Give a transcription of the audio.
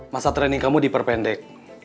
masa training kamu diperpendek